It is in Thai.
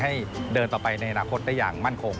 ให้เดินต่อไปในอนาคตได้อย่างมั่นคง